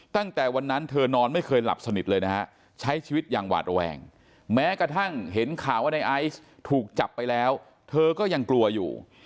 ตั้งแต่วันนั้นเธอนอนไม่เคยหลับสนิทเลยนะฮะใช้ชีวิตอย่างหวาดระแวงแม้กระทั่งเห็นข่าวว่าในไอซ์ถูกจับไปแล้วเธอก็ยังกลัวอยู่